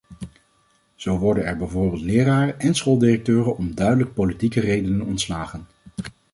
Zo worden er bijvoorbeeld leraren en schooldirecteuren om duidelijk politieke redenen ontslagen.